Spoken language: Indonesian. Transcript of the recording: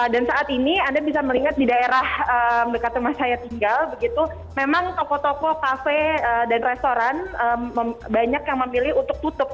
dan saat ini anda bisa melingat di daerah dekat rumah saya tinggal begitu memang toko toko kafe dan restoran banyak yang memilih untuk tutup